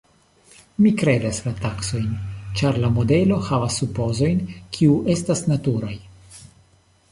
Mi kredas la taksojn, ĉar la modelo havas supozojn, kiuj estas naturaj.